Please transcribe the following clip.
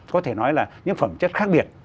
có thể nói là những phẩm chất khác biệt